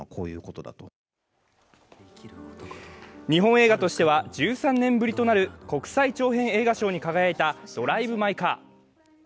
日本映画としては１３年ぶりとなる国際長編映画賞に輝いた「ドライブ・マイ・カー」。